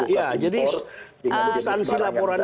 ya jadi instansi laporan